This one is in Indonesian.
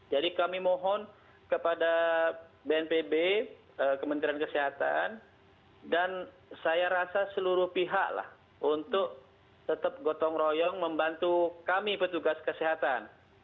kami mohon kepada bnpb kementerian kesehatan dan saya rasa seluruh pihak lah untuk tetap gotong royong membantu kami petugas kesehatan